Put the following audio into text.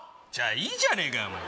じゃあいいじゃねえかよ